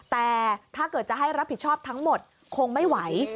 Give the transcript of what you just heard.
แต่ถ้าเกิดจะให้รับผิดชอบทั้งหมดคงไม่ไหว